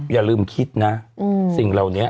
อย่าลืมคิดนะสิ่งเหล่านี้